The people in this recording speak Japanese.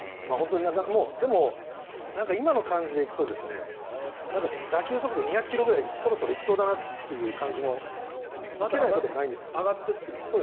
でも、今の感じで行くと打球速度２００ｋｍくらいそろそろ行きそうだなという感じも受けなくもないんですけどね。